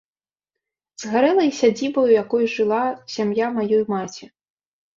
Згарэла і сядзіба, у якой жыла сям'я маёй маці.